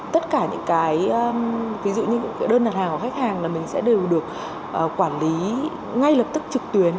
tất cả những cái ví dụ như đơn đặt hàng của khách hàng là mình sẽ đều được quản lý ngay lập tức trực tuyến